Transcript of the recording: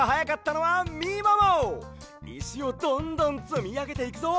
いしをどんどんつみあげていくぞ！